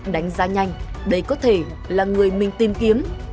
đánh giá nhanh đây có thể là người mình tìm kiếm